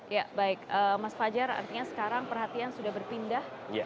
ya baik mas fajar artinya sekarang perhatian sudah berpindah